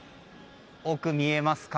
奥、見えますか？